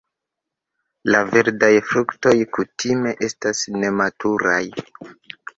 La verdaj fruktoj kutime estas nematuraj.